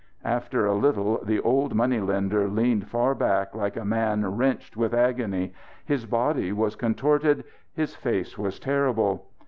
After a little the old money lender leaned far back like a man wrenched with agony. His body was contorted, his face was terrible.